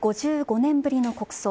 ５５年ぶりの国葬。